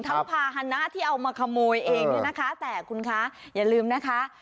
ภาษณะที่เอามาขโมยเองเนี่ยนะคะแต่คุณคะอย่าลืมนะคะ